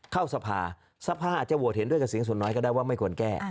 เข้าสภาสภาอาจจะโหวตเห็นด้วยกับเสียงส่วนน้อยก็ได้ว่าไม่ควรแก้